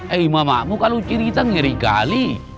eh mamamu kalau cerita ngeri kali